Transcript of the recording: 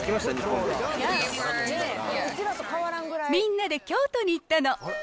みんなで京都に行ったの。